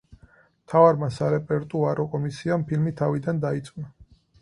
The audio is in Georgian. მთავარმა სარეპერტუარო კომისიამ ფილმი თავიდან დაიწუნა.